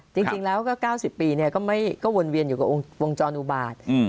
จริงแล้วก็๙๐ปีก็วนเวียนอยู่กับวงจรอุบาต